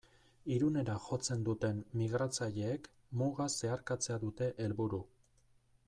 Irunera jotzen duten migratzaileek muga zeharkatzea dute helburu.